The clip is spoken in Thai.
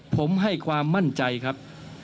ผมให้ความมั่นใจครับ